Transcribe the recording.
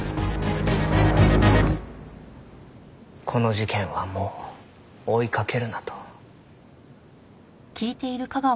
「この事件はもう追いかけるな」と。